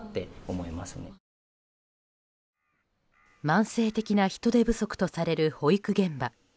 慢性的な人手不足とされる保育現場。